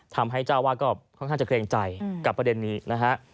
ทำให้เจ้าวาดก็ค่อนข้างจะเกรงใจกับประเด็นนี้นะฮะ